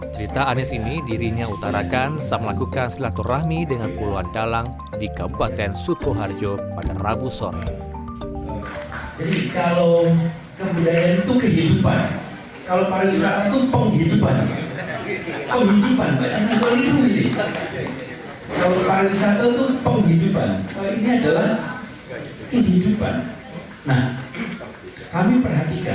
cerita anies ini dirinya utarakan sama melakukan selaturahmi dengan pulau andalang di kabupaten sutroharjo pada rabu sore